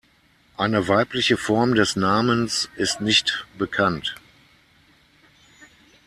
Eine weibliche Form des Namens ist nicht bekannt.